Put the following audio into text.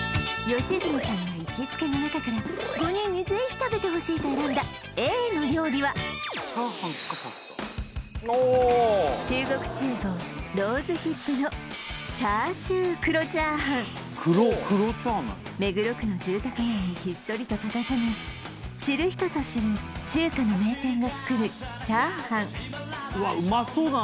良純さんが行きつけの中から５人にぜひ食べてほしいと選んだＡの料理は中国厨房薔薇果の叉焼黒炒飯目黒区の住宅街にひっそりとたたずむ知る人ぞ知る中華の名店が作るチャーハンうわっうまそうだ